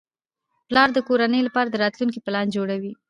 پلار د کورنۍ لپاره د راتلونکي پلان جوړوي